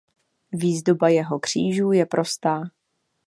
Výzdoba jeho křížů je prostá.